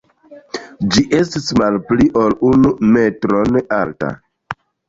Ĝi estis malpli ol unu metron alta.